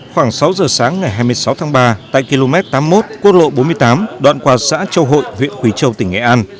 khoảng sáu giờ sáng ngày hai mươi sáu tháng ba tại km tám mươi một quốc lộ bốn mươi tám đoạn qua xã châu hội huyện quỳ châu tỉnh nghệ an